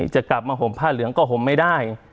จะกลับมาห่มผ้าเหลืองก็ห่มไม่ได้